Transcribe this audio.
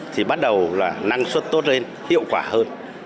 thì bắt đầu là năng suất tốt lên hiệu quả hơn